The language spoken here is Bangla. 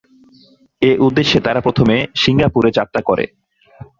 এ উদ্দেশ্যে তারা প্রথমে সিঙ্গাপুরে যাত্রা করে।